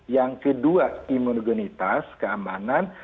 yang kedua imunogenitas keamanan